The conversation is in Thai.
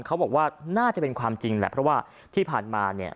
เขาบอกว่าน่าจะเป็นความจริงแหละเพราะว่าที่ผ่านมาเนี่ย